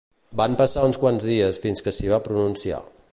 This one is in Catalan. Van passar uns quants dies fins que s’hi va pronunciar.